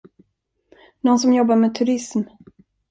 Nån som jobbar med turism.